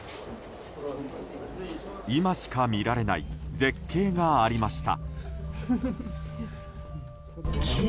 今しか見られない絶景がありました。